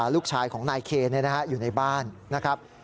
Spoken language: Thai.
ลูกชายของนายเคนอยู่ในบ้านนะครับ